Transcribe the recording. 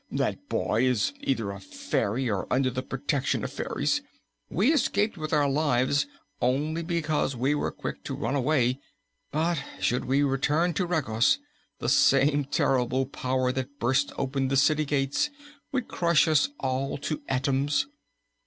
"That boy is either a fairy or under the protection of fairies. We escaped with our lives only because we were quick to run away; but, should we return to Regos, the same terrible power that burst open the city gates would crush us all to atoms."